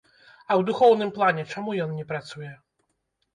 А ў духоўным плане чаму ён не працуе?